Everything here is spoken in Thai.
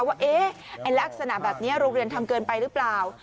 ว่าลักษณะแบบนี้โรงเรียนทำเกินไปหรือเปล่า